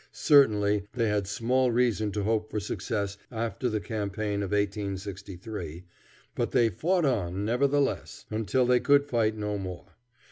Certainly they had small reason to hope for success after the campaign of 1863, but they fought on nevertheless, until they could fight no more.